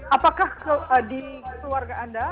apakah di keluarga anda